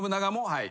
はい。